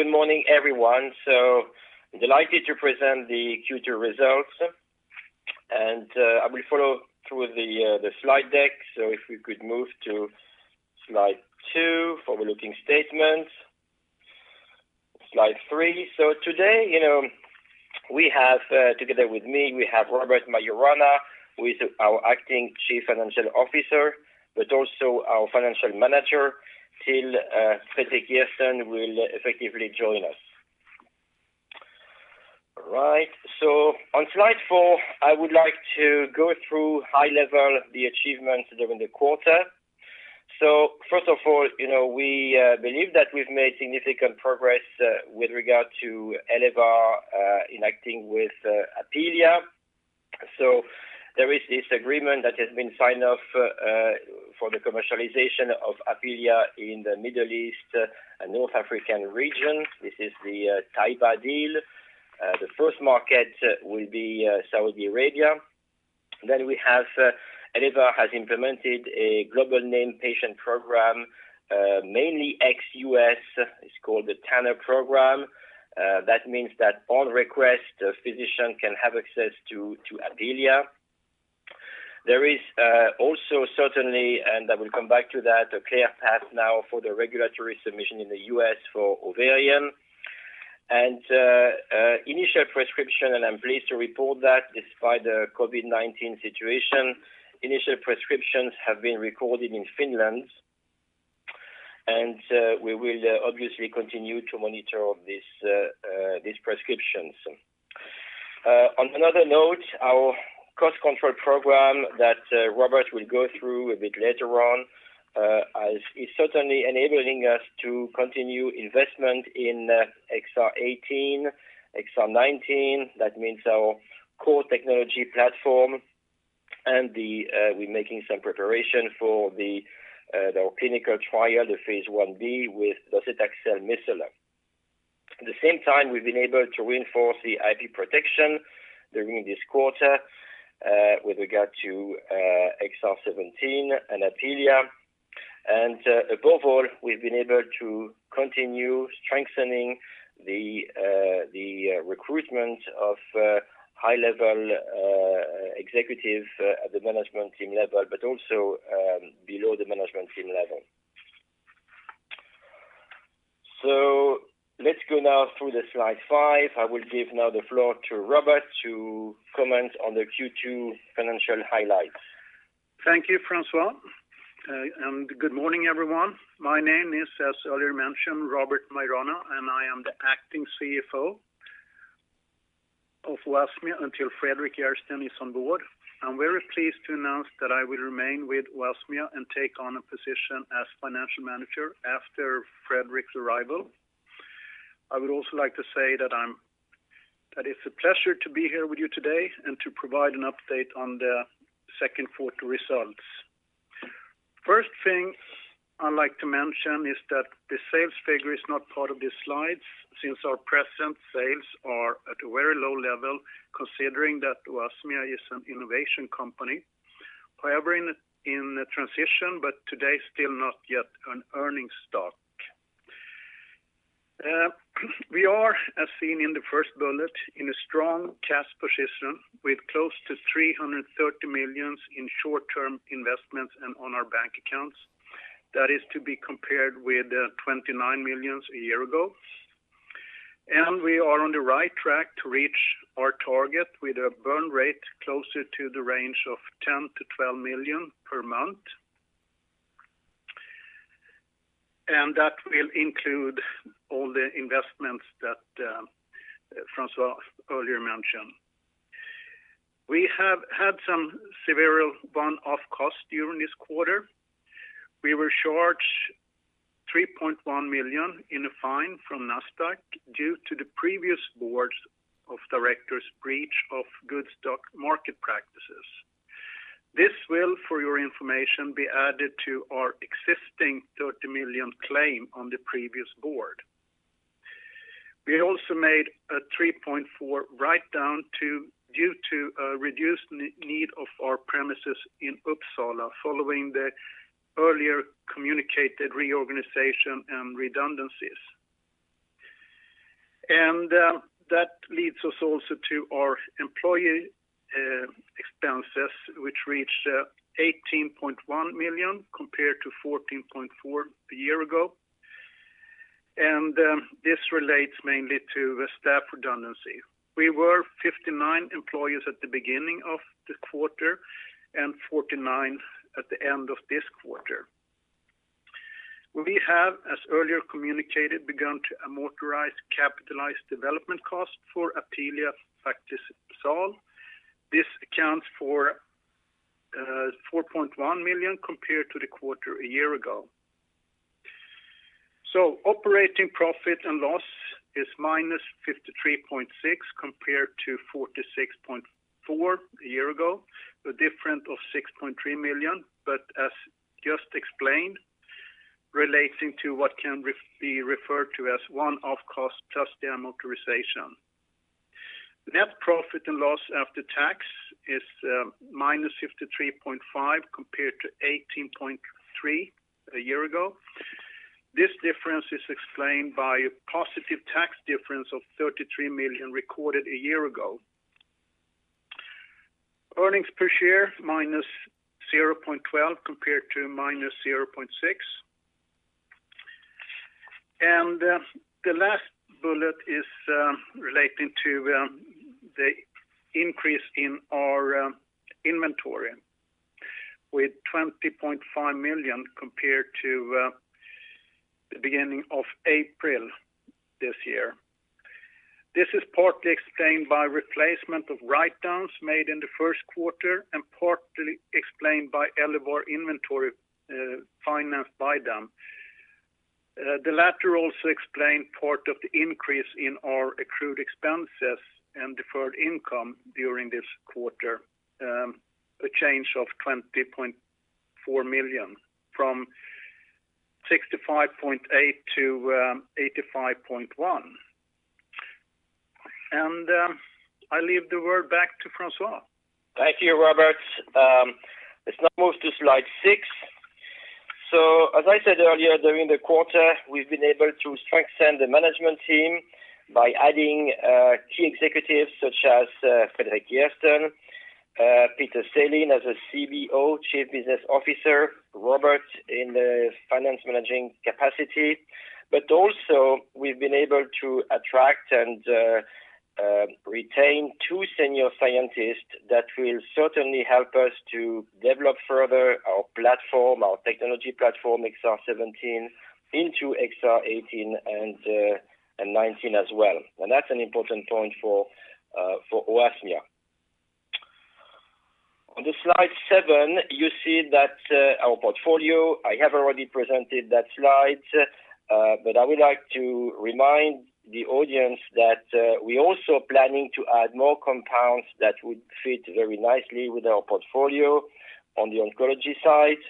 Good morning, everyone. Delighted to present the Q2 results. I will follow through the slide deck. If we could move to slide two, forward-looking statements. Slide three. Today, together with me, we have Robert Maiorana, who is our Acting Chief Financial Officer, but also our financial manager, Till Fredrik Järrsten will effectively join us. All right. On slide four, I would like to go through high level the achievements during the quarter. First of all, we believe that we've made significant progress with regard to Elevar in acting with Apealea. There is this agreement that has been signed off for the commercialization of Apealea in the Middle East and North African region. This is the Taiba deal. The first market will be Saudi Arabia. Elevar has implemented a global named patient program, mainly ex-U.S., it's called the Tanner program. That means that on request, a physician can have access to Apealea. There is also certainly, and I will come back to that, a clear path now for the regulatory submission in the U.S. for ovarian. Initial prescription, and I'm pleased to report that despite the COVID-19 situation, initial prescriptions have been recorded in Finland. We will obviously continue to monitor these prescriptions. On another note, our cost control program that Robert will go through a bit later on is certainly enabling us to continue investment in XR-18, XR-19. That means our core technology platform. We're making some preparation for our clinical trial, the phase I-B with Docetaxel micellar. At the same time, we've been able to reinforce the IP protection during this quarter with regard to XR-17 and Apealea. Above all, we've been able to continue strengthening the recruitment of high-level executive at the management team level, but also below the management team level. Let's go now through the slide five. I will give now the floor to Robert to comment on the Q2 financial highlights. Thank you, François. Good morning, everyone. My name is, as earlier mentioned, Robert Maiorana, and I am the Acting CFO of Vivesto until Fredrik Järrsten is on board. I'm very pleased to announce that I will remain with Vivesto and take on a position as financial manager after Fredrik's arrival. I would also like to say that it's a pleasure to be here with you today and to provide an update on the second quarter results. First thing I'd like to mention is that the sales figure is not part of the slides since our present sales are at a very low level, considering that Vivesto is an innovation company. However, in transition, today still not yet an earning stock. We are, as seen in the first bullet, in a strong cash position with close to 330 million in short-term investments and on our bank accounts. That is to be compared with 29 million a year ago. We are on the right track to reach our target with a burn rate closer to the range of 10 million-12 million per month. That will include all the investments that François earlier mentioned. We have had some several one-off costs during this quarter. We were charged 3.1 million in a fine from Nasdaq due to the previous boards of directors' breach of good stock market practices. This will, for your information, be added to our existing 30 million claim on the previous board. We also made a 3.4 write-down due to a reduced need of our premises in Uppsala following the earlier communicated reorganization and redundancies. That leads us also to our employee expenses, which reached 18.1 million compared to 14.4 million a year ago. This relates mainly to the staff redundancy. We were 59 employees at the beginning of the quarter and 49 at the end of this quarter. We have, as earlier communicated, begun to amortize capitalized development cost for Apealea paclitaxel. This accounts for 4.1 million compared to the quarter a year ago. Operating profit and loss is -53.6 compared to 46.4 a year ago, a difference of 6.3 million, but as just explained, relating to what can be referred to as one-off cost plus the amortization. Net profit and loss after tax is -53.5 compared to 18.3 a year ago. This difference is explained by a positive tax difference of 33 million recorded a year ago. Earnings per share -0.12 compared to -0.6. The last bullet is relating to the increase in our inventory with 20.5 million compared to the beginning of April this year. This is partly explained by replacement of write-downs made in the first quarter and partly explained by Elevar inventory financed by them. The latter also explained part of the increase in our accrued expenses and deferred income during this quarter, a change of 20.4 million from 65.8-85.1. I leave the word back to François. Thank you, Robert. Let's now move to slide six. As I said earlier, during the quarter, we've been able to strengthen the management team by adding key executives such as Fredrik Järrsten, Peter Selin as a CBO, Chief Business Officer, Robert in the finance managing capacity. Also we've been able to attract and retain two senior scientists that will certainly help us to develop further our platform, our technology platform XR-17 into XR-18 and XR-19 as well. That's an important point for Vivesto. On the slide seven, you see that our portfolio, I have already presented that slide. I would like to remind the audience that we're also planning to add more compounds that would fit very nicely with our portfolio on the oncology side.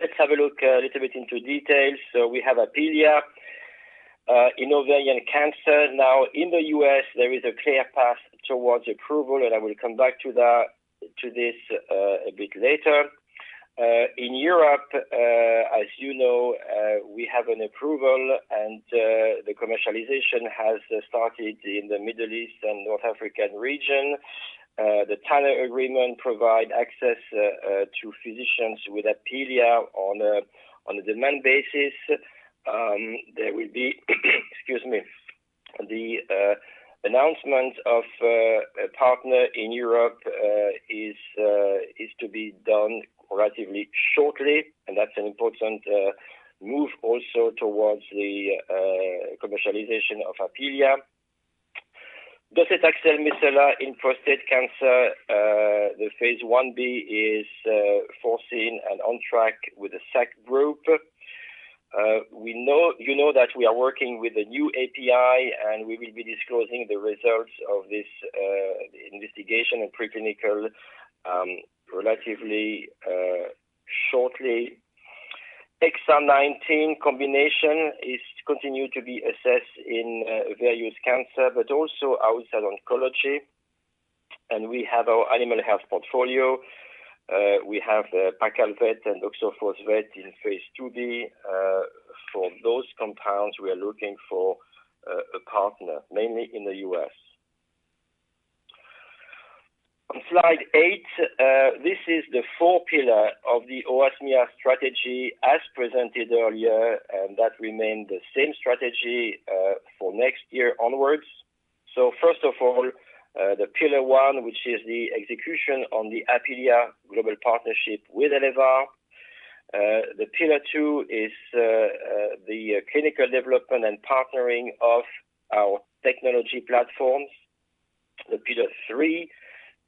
Let's have a look a little bit into details. We have Apealea in ovarian cancer. In the U.S., there is a clear path towards approval, and I will come back to this a bit later. In Europe, as you know, we have an approval and the commercialization has started in the Middle East and North African region. The Tanner agreement provide access to physicians with Apealea on a demand basis. There will be, excuse me, the announcement of a partner in Europe is to be done relatively shortly, and that's an important move also towards the commercialization of Apealea. Docetaxel micellar in prostate cancer. The phase I-B is foreseen and on track with the SAKK Group. You know that we are working with a new API, and we will be disclosing the results of this investigation and preclinical relatively shortly. XR-19 combination is continued to be assessed in various cancer, but also outside oncology. We have our animal health portfolio. We have Paccal Vet and Doxophos Vet in phase II-B. For those compounds, we are looking for a partner, mainly in the U.S. On slide eight, this is the four pillar of the Vivesto strategy as presented earlier, and that remain the same strategy for next year onwards. First of all, the pillar one, which is the execution on the Apealea global partnership with Elevar. The pillar two is the clinical development and partnering of our technology platforms. The pillar three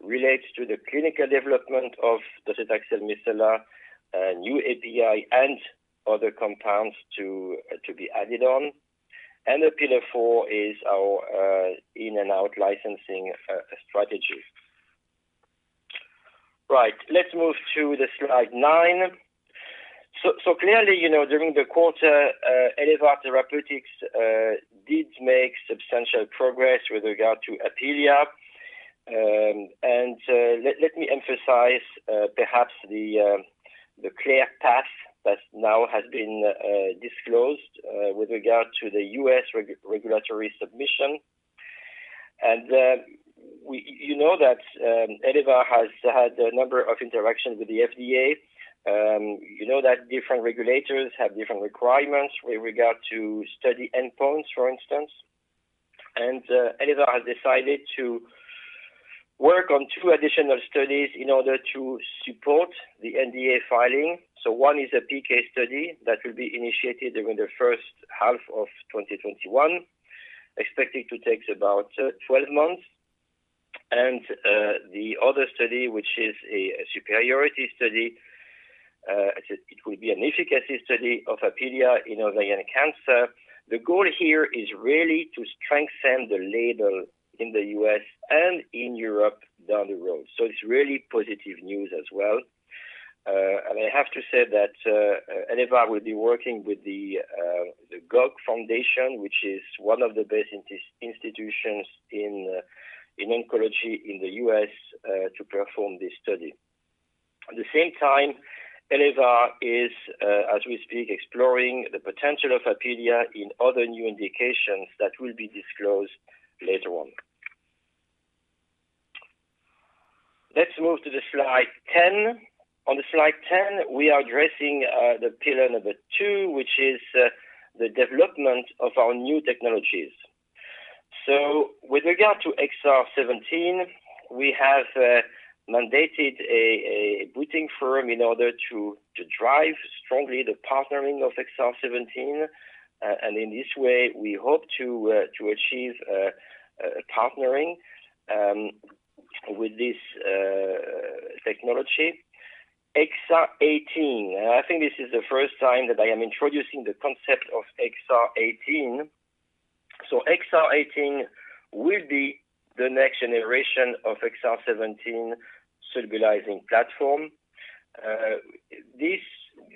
relates to the clinical development of Docetaxel micellar, new API and other compounds to be added on. The pillar four is our in and out licensing strategy. Right. Let's move to the slide nine. Clearly, during the quarter, Elevar Therapeutics did make substantial progress with regard to Apealea. Let me emphasize perhaps the clear path that now has been disclosed with regard to the U.S. regulatory submission. You know that Elevar has had a number of interactions with the FDA. You know that different regulators have different requirements with regard to study endpoints, for instance. Elevar has decided to work on two additional studies in order to support the NDA filing. One is a PK study that will be initiated during the first half of 2021, expected to take about 12 months. The other study, which is a superiority study, it will be an efficacy study of Apealea in ovarian cancer. The goal here is really to strengthen the label in the U.S. and in Europe down the road. It's really positive news as well. I have to say that Elevar will be working with the GOG Foundation, which is one of the best institutions in oncology in the U.S. to perform this study. At the same time, Elevar is, as we speak, exploring the potential of Apealea in other new indications that will be disclosed later on. Let's move to the slide 10. On slide 10, we are addressing the pillar number two, which is the development of our new technologies. With regard to XR-17, we have mandated a boutique firm in order to strongly drive the partnering of XR-17. In this way, we hope to achieve partnering with this technology. XR-18. I think this is the first time that I am introducing the concept of XR-18. XR-18 will be the next generation of XR-17 solubilizing platform.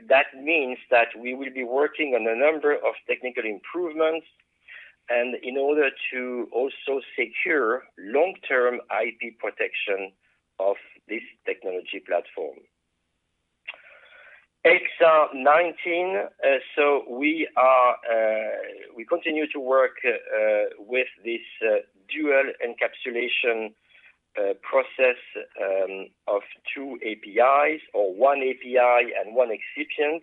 That means that we will be working on a number of technical improvements and in order to also secure long-term IP protection of this technology platform. XR-19. We continue to work with this dual encapsulation process of two APIs or one API and one excipient.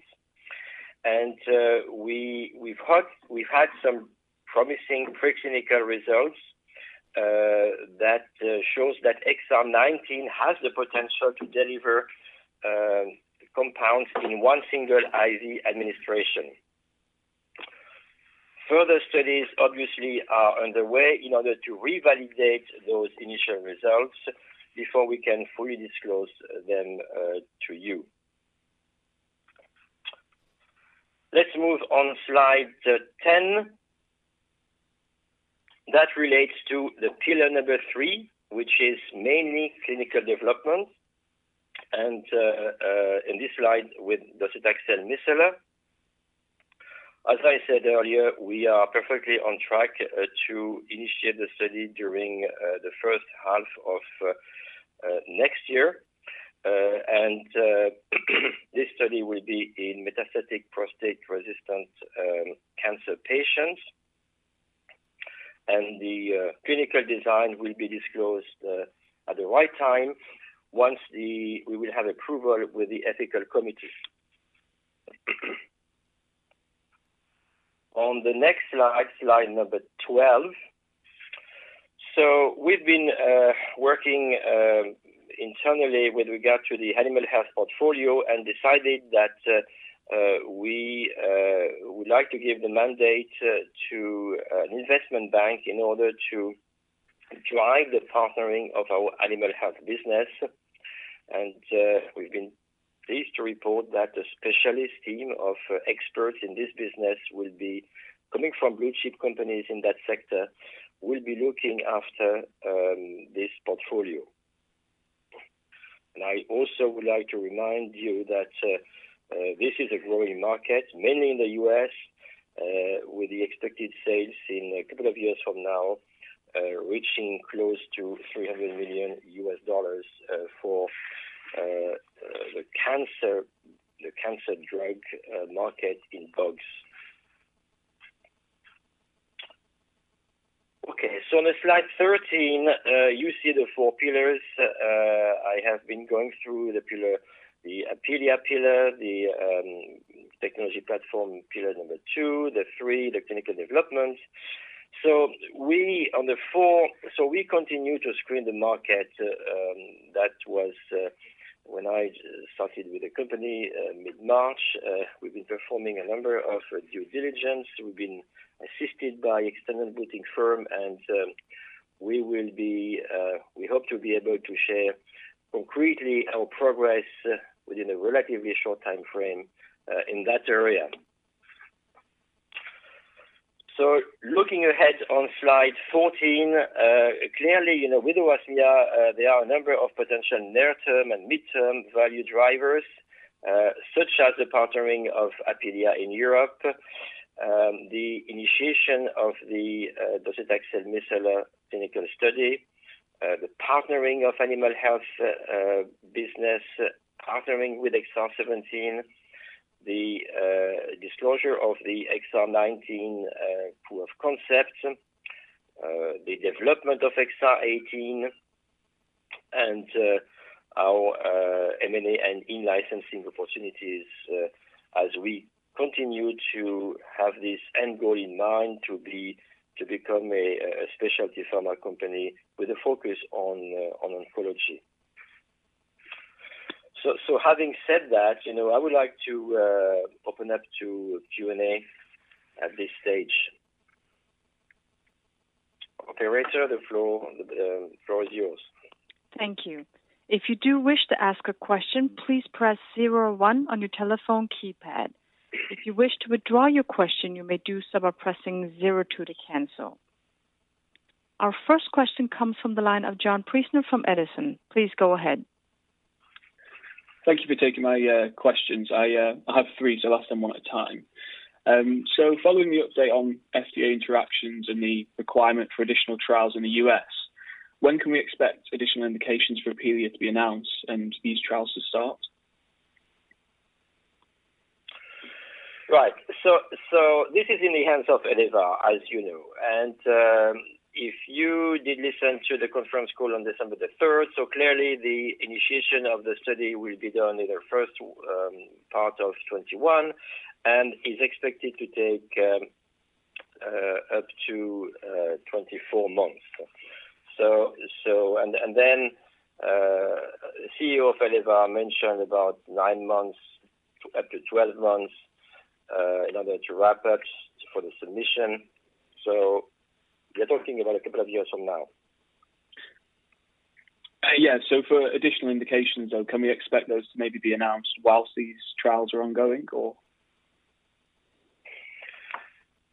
We've had some promising preclinical results that show that XR-19 has the potential to deliver compounds in one single IV administration. Further studies obviously are underway in order to revalidate those initial results before we can fully disclose them to you. Let's move on slide 10. That relates to the pillar number three, which is mainly clinical development. In this slide with Docetaxel micellar. As I said earlier, we are perfectly on track to initiate the study during the first half of next year. This study will be in metastatic castration-resistant prostate cancer patients. The clinical design will be disclosed at the right time once we have approval with the ethical committee. On the next slide number 12. We've been working internally with regard to the animal health portfolio and decided that we would like to give the mandate to an investment bank in order to drive the partnering of our animal health business. We've been pleased to report that a specialist team of experts in this business, coming from blue-chip companies in that sector, will be looking after this portfolio. I also would like to remind you that this is a growing market, mainly in the U.S., with the expected sales in a couple of years from now reaching close to $300 million for the cancer drug market in dogs. On slide 13, you see the four pillars. I have been going through the Apealea pillar, the technology platform, pillar number two, the three, the clinical development. We continue to screen the market. That was when I started with the company mid-March. We've been performing a number of due diligence. We've been assisted by external boutique firm, and we hope to be able to share concretely our progress within a relatively short timeframe in that area. Looking ahead on slide 14. Clearly, with Vivesto, there are a number of potential near-term and mid-term value drivers such as the partnering of Apealea in Europe, the initiation of the Docetaxel micellar clinical study, the partnering of animal health business, partnering with XR-17, the disclosure of the XR-19 proof of concept, the development of XR-18, and our M&A and in-licensing opportunities as we continue to have this end goal in mind to become a specialty pharma company with a focus on oncology. Having said that, I would like to open up to Q&A at this stage. Operator, the floor is yours. Thank you. If you do wish to ask a question, please press zero one on your telephone keypad. If you wish to withdraw your question, you may do so by pressing zero two to cancel. Our first question comes from the line of John Priestner from Edison. Please go ahead. Thank you for taking my questions. I have three, I'll ask them one at a time. Following the update on FDA interactions and the requirement for additional trials in the U.S., when can we expect additional indications for Apealea to be announced and these trials to start? Right. This is in the hands of Elevar, as you know. If you did listen to the conference call on December 3rd, so clearly the initiation of the study will be done in the first part of 2021 and is expected to take up to 24 months. CEO of Elevar mentioned about nine months up to 12 months in order to wrap up for the submission. We are talking about a couple of years from now. For additional indications, though, can we expect those to maybe be announced while these trials are ongoing or?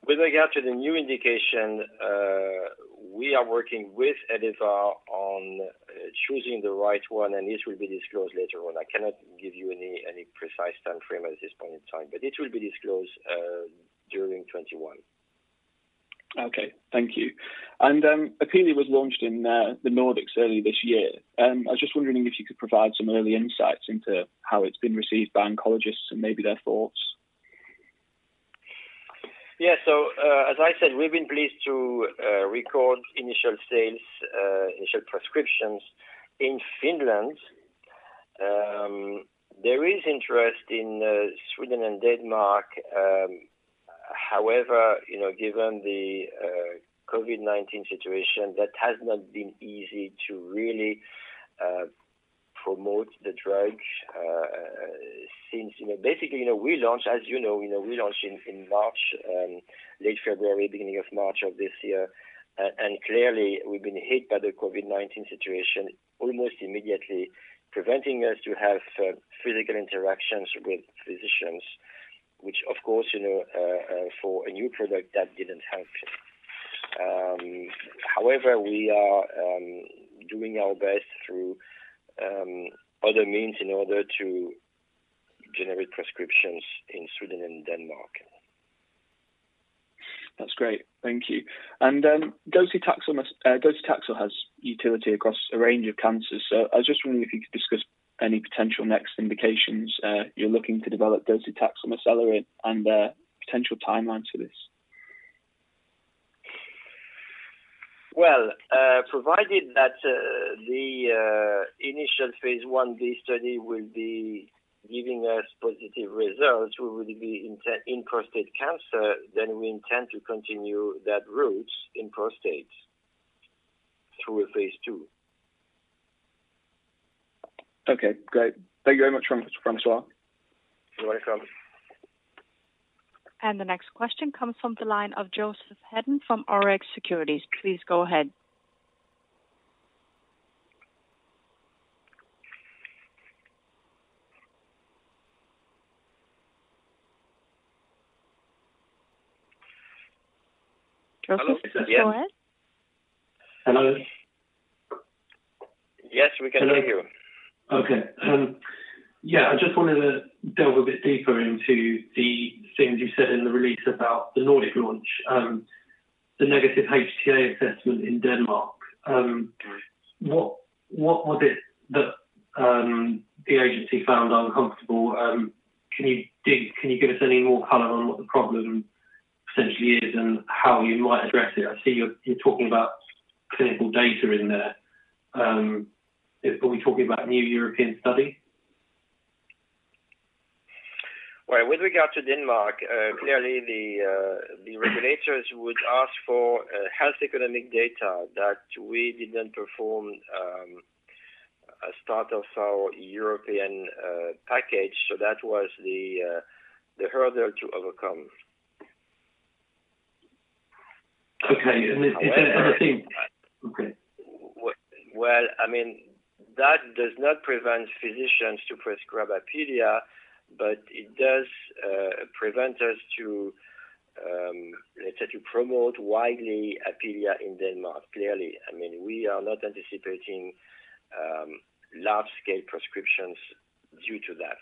With regard to the new indication, we are working with Elevar on choosing the right one. This will be disclosed later on. I cannot give you any precise timeframe at this point in time. It will be disclosed during 2021. Okay. Thank you. Apealea was launched in the Nordics early this year. I was just wondering if you could provide some early insights into how it's been received by oncologists and maybe their thoughts. Yeah. As I said, we've been pleased to record initial sales, initial prescriptions in Finland. There is interest in Sweden and Denmark. However, given the COVID-19 situation, that has not been easy to really promote the drug since we launched, as you know, in March, late February, beginning of March of this year. Clearly we've been hit by the COVID-19 situation almost immediately, preventing us to have physical interactions with physicians, which, of course, for a new product, that didn't help. However, we are doing our best through other means in order to generate prescriptions in Sweden and Denmark. That's great. Thank you. Docetaxel has utility across a range of cancers. I was just wondering if you could discuss any potential next indications you're looking to develop Docetaxel micellar and potential timeline for this? Well, provided that the initial phase I-B study will be giving us positive results with regard in prostate cancer, we intend to continue that route in prostate through a phase II. Okay, great. Thank you very much, François. You're welcome. The next question comes from the line of Joseph Hedden from Rx SECURITIES. Please go ahead. Joseph, go ahead. Hello? Yes, we can hear you. Hello. Okay. Yeah, I just wanted to delve a bit deeper into the things you said in the release about the Nordic launch, the negative HTA assessment in Denmark. Right. What was it that the agency found uncomfortable? Can you give us any more color on what the problem essentially is and how you might address it? I see you're talking about clinical data in there. Are we talking about a new European study? Well, with regard to Denmark, clearly the regulators would ask for health economic data that we didn't perform a start of our European package, so that was the hurdle to overcome. Okay. That does not prevent physicians to prescribe Apealea, but it does prevent us to, let's say, to promote widely Apealea in Denmark. Clearly, we are not anticipating large-scale prescriptions due to that.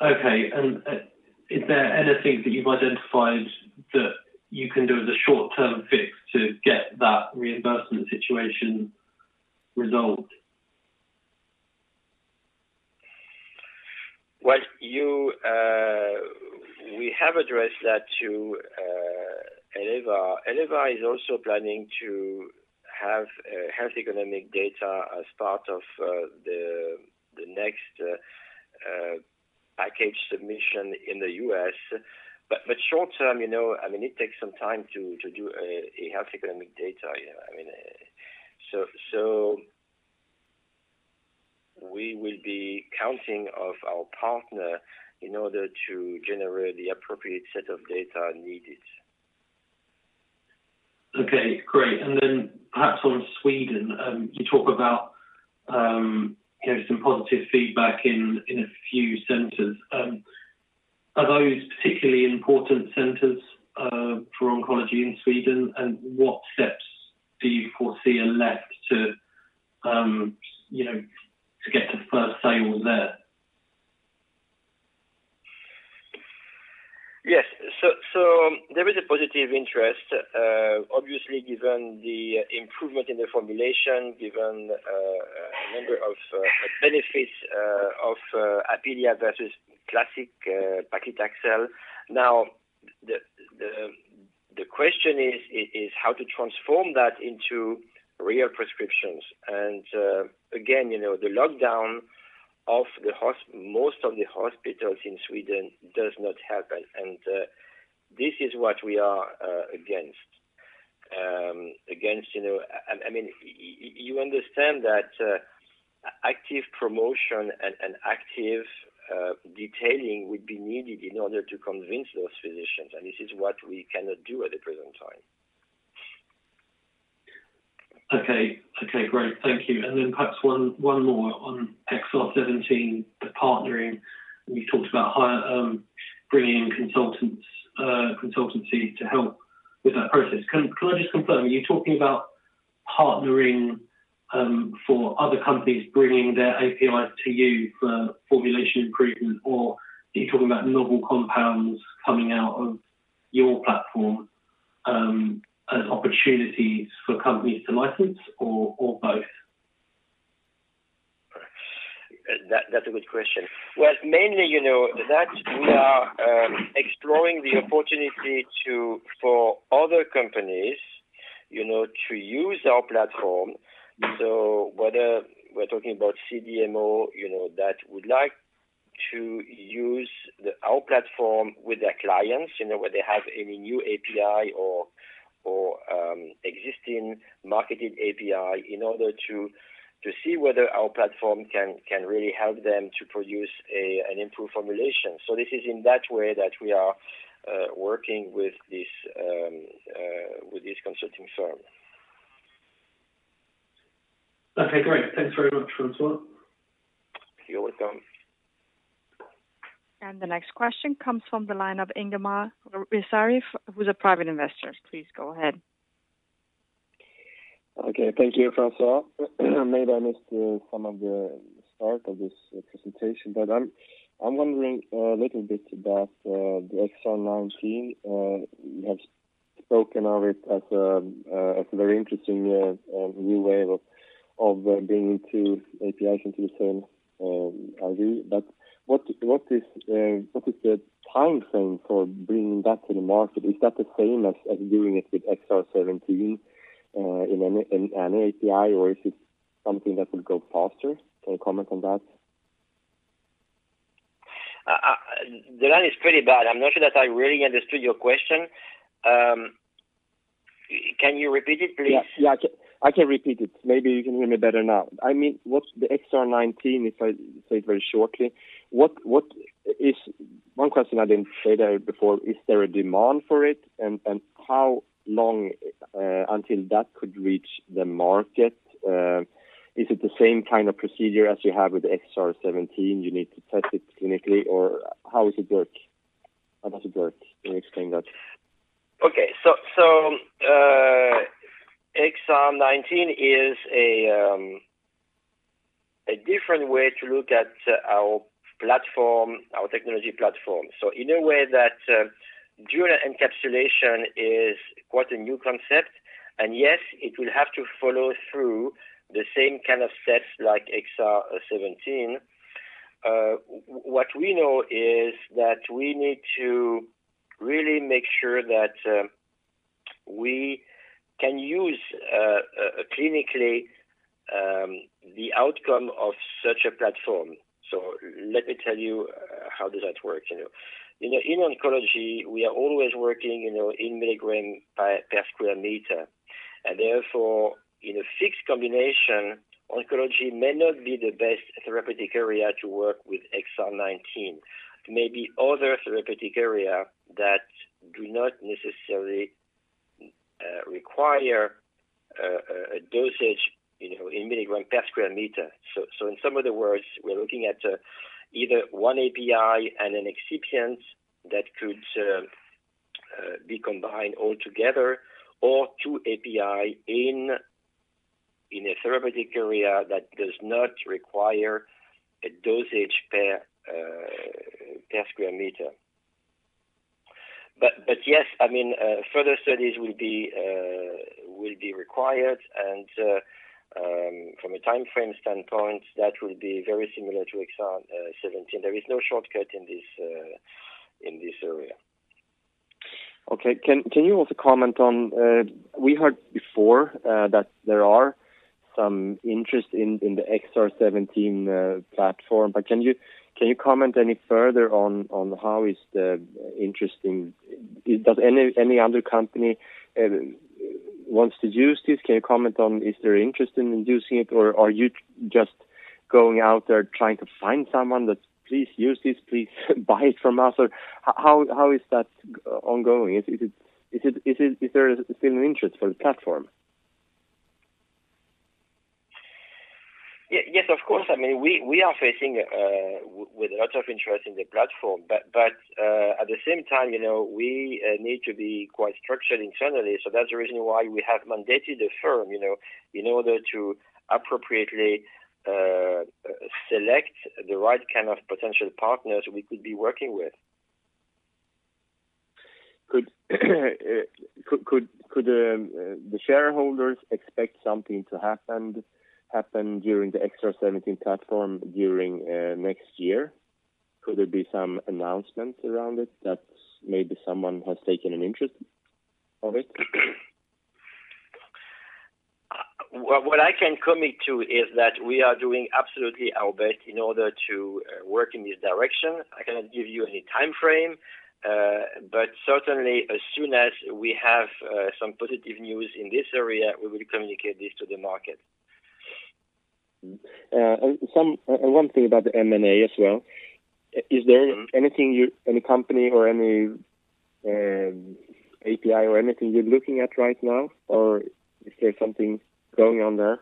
Okay. Is there anything that you've identified that you can do as a short-term fix to get that reimbursement situation resolved? We have addressed that to Elevar. Elevar is also planning to have health economic data as part of the next package submission in the U.S. Short term, it takes some time to do a health economic data. We will be counting of our partner in order to generate the appropriate set of data needed. Okay, great. Perhaps on Sweden, you talk about some positive feedback in a few centers. Are those particularly important centers for oncology in Sweden? What steps do you foresee are left to get to first sale there? Yes. There is a positive interest, obviously given the improvement in the formulation, given a number of benefits of Apealea versus classic paclitaxel. The question is how to transform that into real prescriptions. Again, the lockdown of most of the hospitals in Sweden does not help. This is what we are against. You understand that active promotion and active detailing would be needed in order to convince those physicians, and this is what we cannot do at the present time. Okay. Great. Thank you. Perhaps one more on XR-17, the partnering. You talked about bringing in consultancy to help with that process. Can I just confirm, are you talking about partnering for other companies bringing their APIs to you for formulation improvement, or are you talking about novel compounds coming out of your platform as opportunities for companies to license, or both? That's a good question. Mainly, that we are exploring the opportunity for other companies to use our platform. Whether we're talking about CDMO that would like to use our platform with their clients where they have any new API or existing marketed API in order to see whether our platform can really help them to produce an improved formulation. This is in that way that we are working with this consulting firm. Okay, great. Thanks very much, François. You're welcome. The next question comes from the line of Ingemar Risari, who's a private investor. Please go ahead. Okay. Thank you, François. Maybe I missed some of the start of this presentation. I'm wondering a little bit about the XR-19. You have spoken of it as a very interesting new way of bringing two APIs into the same IV. What is the timeframe for bringing that to the market? Is that the same as doing it with XR-17 in an API or is it something that will go faster? Can you comment on that? The line is pretty bad. I'm not sure that I really understood your question. Can you repeat it, please? Yeah. I can repeat it. Maybe you can hear me better now. The XR-19, if I say it very shortly. One question I didn't say that before, is there a demand for it and how long until that could reach the market? Is it the same kind of procedure as you have with XR-17? You need to test it clinically, or how does it work? Can you explain that? Okay. XR-19 is a different way to look at our technology platform. In a way that dual encapsulation is quite a new concept, and yes, it will have to follow through the same kind of steps like XR-17. What we know is that we need to really make sure that we can use clinically the outcome of such a platform. Let me tell you how does that work. In oncology, we are always working in milligram per square meter. Therefore, in a fixed combination, oncology may not be the best therapeutic area to work with XR-19. Maybe other therapeutic area that do not necessarily require a dosage in milligram per square meter. In some other words, we're looking at either one API and an excipient that could be combined altogether or two API in a therapeutic area that does not require a dosage per square meter. Yes, further studies will be required and from a timeframe standpoint, that will be very similar to XR-17. There is no shortcut in this area. Okay. Can you also comment on, we heard before that there are some interest in the XR-17 platform. Can you comment any further on how is the interest in, does any other company want to use this? Can you comment on, is there interest in using it, or are you just going out there trying to find someone that, please use this. Please buy it from us. How is that ongoing? Is there still an interest for the platform? Yes, of course. We are facing with a lot of interest in the platform, at the same time, we need to be quite structured internally. That's the reason why we have mandated a firm, in order to appropriately select the right kind of potential partners we could be working with. Could the shareholders expect something to happen during the XR-17 platform during next year? Could there be some announcements around it that maybe someone has taken an interest of it? What I can commit to is that we are doing absolutely our best in order to work in this direction. I cannot give you any timeframe, but certainly as soon as we have some positive news in this area, we will communicate this to the market. One thing about the M&A as well. Is there anything, any company or any API or anything you're looking at right now? Is there something going on there?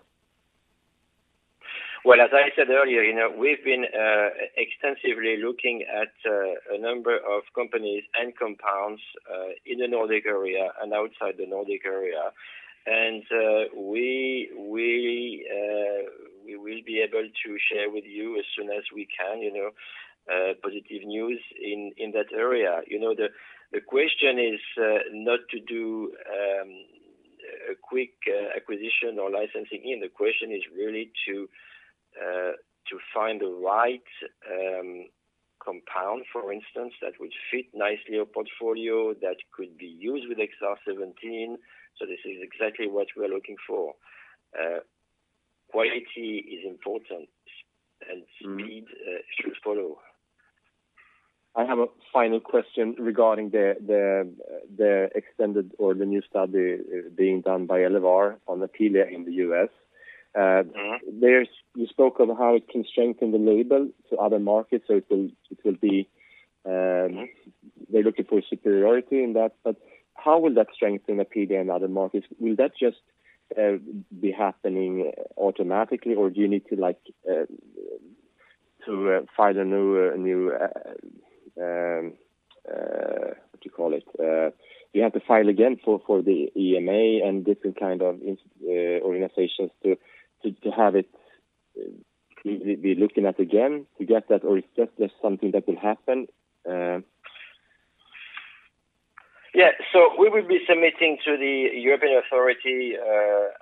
As I said earlier, we've been extensively looking at a number of companies and compounds in the Nordic area and outside the Nordic area. We will be able to share with you as soon as we can, positive news in that area. The question is not to do a quick acquisition or licensing in, the question is really to find the right compound, for instance, that would fit nicely a portfolio that could be used with XR-17. This is exactly what we're looking for. Quality is important and speed should follow. I have a final question regarding the extended or the new study being done by Elevar on Apealea in the U.S. You spoke of how it can strengthen the label to other markets. They're looking for superiority in that. How will that strengthen Apealea in other markets? Will that just be happening automatically or do you need to file the new, what do you call it? Do you have to file again for the EMA and different kind of organizations to have it be looking at again to get that, or it's just something that will happen? We will be submitting to the European authority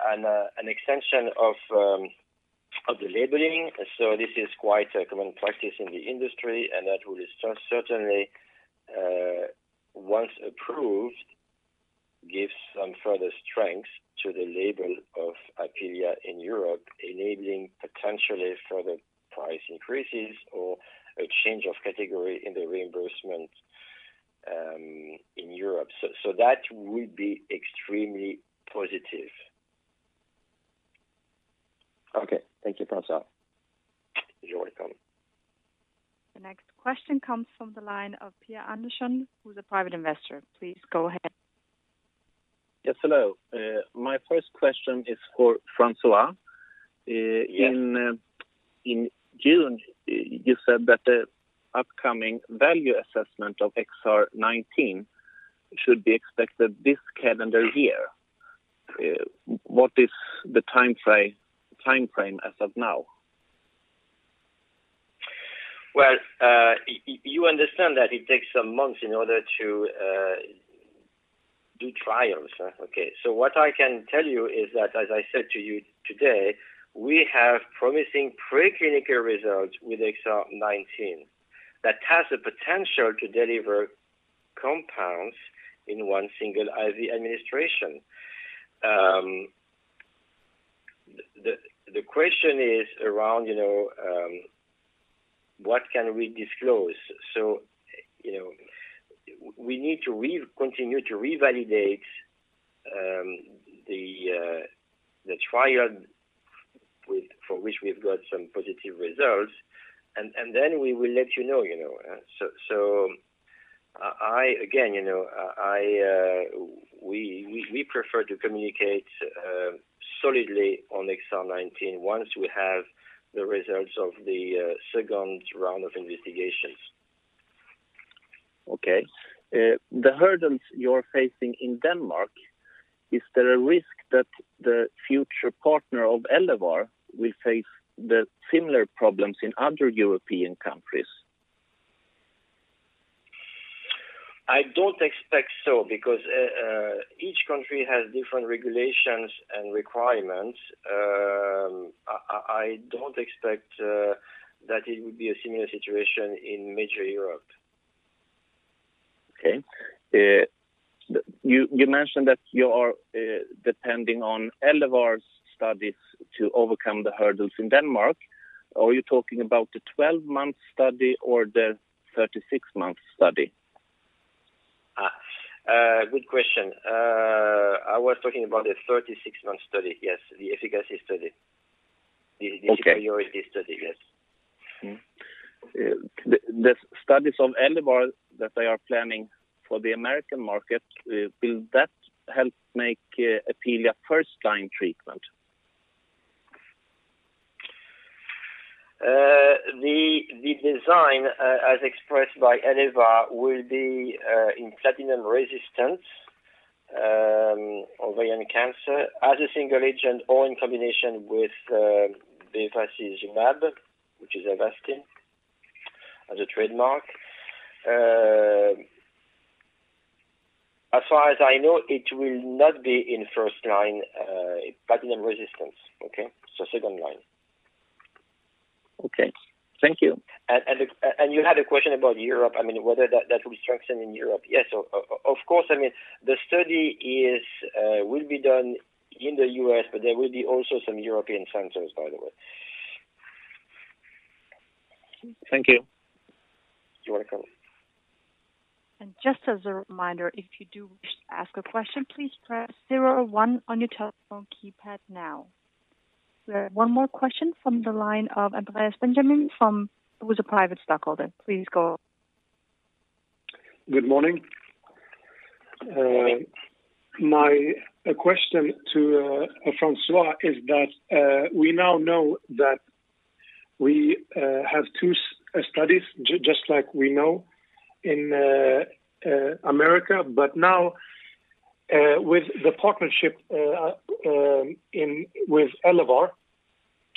an extension of the labeling. This is quite a common practice in the industry, and that will certainly, once approved, give some further strength to the label of Apealea in Europe, enabling potentially further price increases or a change of category in the reimbursement in Europe. That will be extremely positive. Okay. Thank you, François. You're welcome. The next question comes from the line of Pierre Anderson, who is a private investor. Please go ahead. Yes, hello. My first question is for François. Yes. In June, you said that the upcoming value assessment of XR-19 should be expected this calendar year. What is the timeframe as of now? Well, you understand that it takes some months in order to do trials. Okay. What I can tell you is that as I said to you today, we have promising preclinical results with XR-19 that has the potential to deliver compounds in one single IV administration. The question is around, what can we disclose? We need to continue to revalidate the trial for which we've got some positive results, and then we will let you know. Again, we prefer to communicate solidly on XR-19 once we have the results of the second round of investigations. The hurdles you're facing in Denmark, is there a risk that the future partner of Elevar will face the similar problems in other European countries? I don't expect so because each country has different regulations and requirements. I don't expect that it would be a similar situation in major Europe. Okay. You mentioned that you are depending on Elevar's studies to overcome the hurdles in Denmark. Are you talking about the 12-month study or the 36-month study? Good question. I was talking about the 36-month study. Yes. The efficacy study. Okay. The superiority study. Yes. Mm-hmm. The studies of Elevar that they are planning for the American market, will that help make Apealea first-line treatment? The design, as expressed by Elevar, will be in platinum-resistant ovarian cancer as a single agent or in combination with bevacizumab, which is Avastin as a trademark. As far as I know, it will not be in first-line platinum resistance. Okay? Second-line. Okay. Thank you. You had a question about Europe, whether that will be strengthened in Europe. Yes, of course. The study will be done in the U.S., there will be also some European centers, by the way. Thank you. You're welcome. Just as a reminder, if you do wish to ask a question, please press zero or one on your telephone keypad now. We have one more question from the line of Andreas Benjamin, who is a private stockholder. Please go. Good morning. My question to François is that we now know that we have two studies, just like we know in America. Now, with the partnership with Elevar,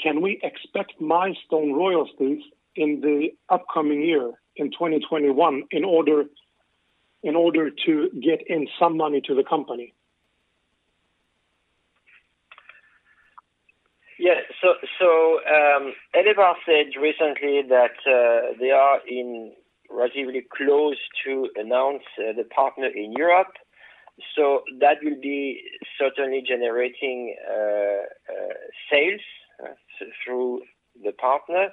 can we expect milestone royalties in the upcoming year, in 2021, in order to get in some money to the company? Elevar said recently that they are in relatively close to announce the partner in Europe. That will be certainly generating sales through the partner,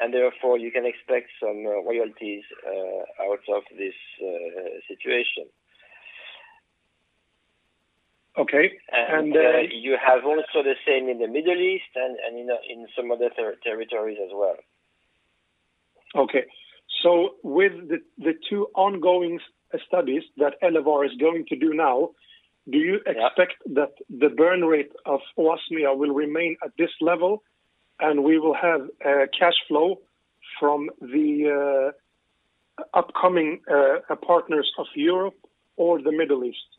and therefore you can expect some royalties out of this situation. Okay. You have also the same in the Middle East and in some other territories as well. Okay. With the two ongoing studies that Elevar is going to do now. Yeah Do you expect that the burn rate of Vivesto will remain at this level and we will have cash flow from the upcoming partners of Europe or the Middle East?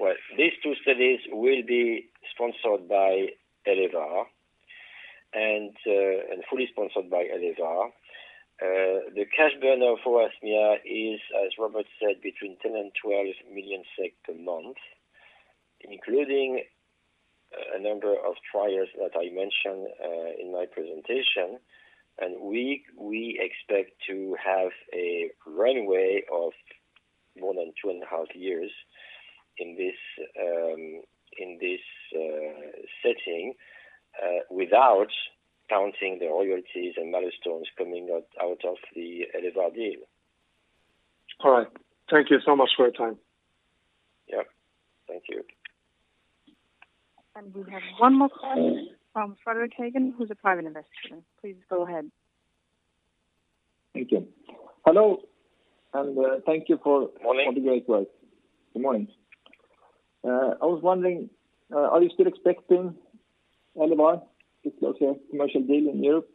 Well, these two studies will be sponsored by Elevar, and fully sponsored by Elevar. The cash burn of Oasmia is, as Robert said, between 10 million and 12 million SEK per month, including a number of trials that I mentioned in my presentation. We expect to have a runway of more than two and a half years in this setting, without counting the royalties and milestones coming out of the Elevar deal. All right. Thank you so much for your time. Yep. Thank you. We have one more question from Frederick Hagen, who's a private investor. Please go ahead. Thank you. Hello, and thank you for- Morning. -for the great work. Good morning. I was wondering, are you still expecting Elevar to close a commercial deal in Europe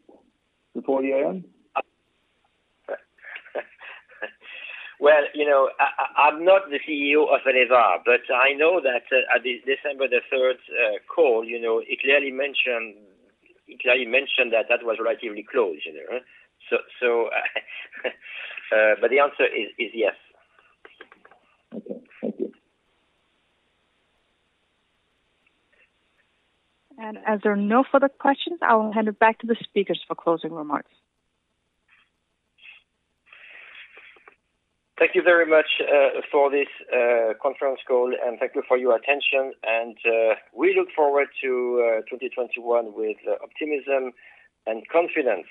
before year-end? I'm not the CEO of Elevar, but I know that at the December 3rd call, he clearly mentioned that that was relatively close. The answer is yes. As there are no further questions, I will hand it back to the speakers for closing remarks. Thank you very much for this conference call. Thank you for your attention. We look forward to 2021 with optimism and confidence.